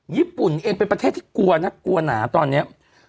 ญี่ปุ่นเองเป็นประเทศที่กลัวนะกลัวหนาตอนนี้